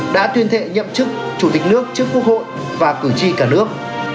đã tuyên thệ nhậm chức chủ tịch nước trước quốc hội và cử tri cả nước